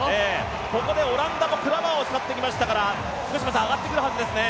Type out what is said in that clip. ここでオランダもクラバーを使ってきますから、上がってくるはずですね。